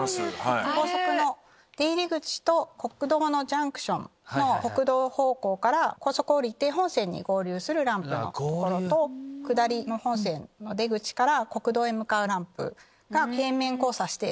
高速の出入り口と国道のジャンクションの国道方向から高速降りて本線に合流するランプの所と下りの本線の出口から国道へ向かうランプが。